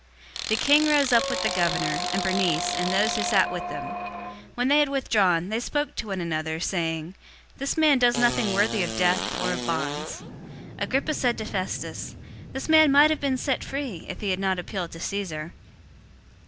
026:030 The king rose up with the governor, and Bernice, and those who sat with them. 026:031 When they had withdrawn, they spoke one to another, saying, "This man does nothing worthy of death or of bonds." 026:032 Agrippa said to Festus, "This man might have been set free if he had not appealed to Caesar."